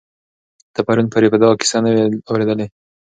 تر پرون پورې مې دا کیسه نه وه اورېدلې.